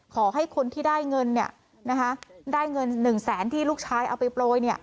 ขอให้คนที่ได้เงินเนี่ยนะคะได้เงินหนึ่งแสนที่ลูกชายเอาไปโปรยเนี่ย